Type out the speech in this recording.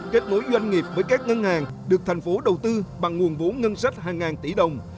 kết nối doanh nghiệp với các ngân hàng được thành phố đầu tư bằng nguồn vốn ngân sách hàng ngàn tỷ đồng